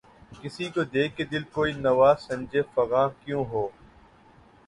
کسی کو دے کے دل‘ کوئی نوا سنجِ فغاں کیوں ہو؟